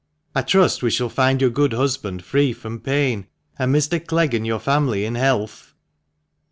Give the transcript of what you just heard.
" I trust we shall find your good husband free from pain, and Mr. Clegg and your family in health."